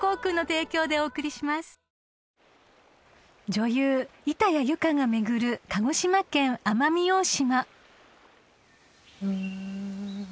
［女優板谷由夏が巡る鹿児島県奄美大島］